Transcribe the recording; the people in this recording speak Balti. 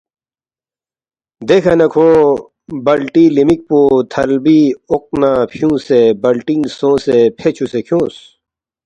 “ دیکھہ نہ کھو بَلٹی لِمک پو تھلبی اوق نہ فیُونگسے بَلٹِنگ سونگسے فے چُوسے کھیونگس